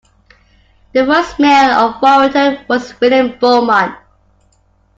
The first mayor of Warrington was William Beamont.